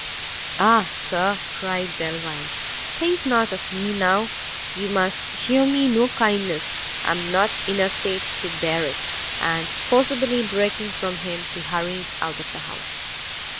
"Ah, Sir," cried Delvile, "think not of me now! you must shew me no kindness; I am not in a state to bear it!" And, forcibly breaking from him, he hurried out of the house.